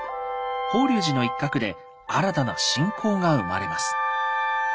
法隆寺の一角で新たな信仰が生まれます。